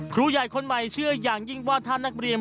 ครูใหญ่คนใหม่เชื่ออย่างยิ่งว่าถ้านักเรียน